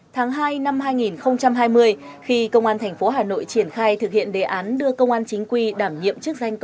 tháng hai năm hai nghìn hai mươi khi công an thành phố hà nội triển khai thực hiện đề án đưa công an chính quy đảm nhiệm